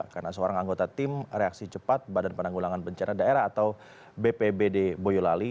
karena seorang anggota tim reaksi cepat badan penanggulangan bencana daerah atau bpbd boyolali